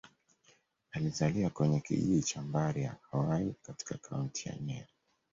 Alizaliwa kwenye kijiji cha Mbari-ya-Hwai, katika Kaunti ya Nyeri.